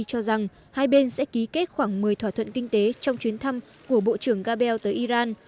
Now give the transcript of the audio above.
cho rằng hai bên sẽ ký kết khoảng một mươi thỏa thuận kinh tế trong chuyến thăm của bộ trưởng gabel tới iran